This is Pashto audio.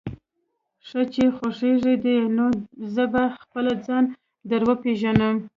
ښه چې خوښېږي دې، نو زه به خپله ځان در وپېژنم.